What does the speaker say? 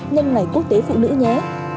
nhân ngày quốc tế phụ nữ nhé